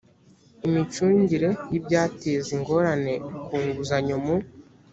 imicungire y’ibyateza ingorane ku nguzanyo mu